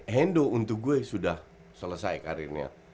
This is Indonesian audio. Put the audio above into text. hendo untuk gue sudah selesai karirnya